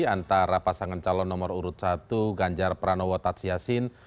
antara pasangan calon nomor urut satu ganjar pranowo tadsiasin